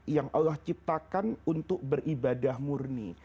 yang allah ciptakan untuk beribadah murni